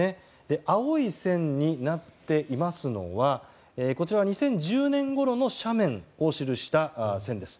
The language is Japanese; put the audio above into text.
青い線になっていますのは２０１０年ごろの斜面を記した線です。